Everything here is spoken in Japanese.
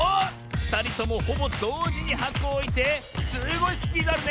ふたりともほぼどうじにはこをおいてすごいスピードあるね！